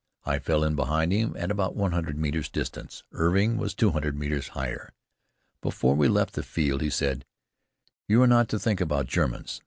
I fell in behind him at about one hundred metres distance. Irving was two hundred metres higher. Before we left the field he said: "You are not to think about Germans.